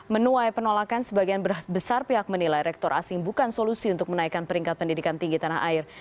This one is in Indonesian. menuai penolakan sebagian besar pihak menilai rektor asing bukan solusi untuk menaikkan peringkat pendidikan tinggi tanah air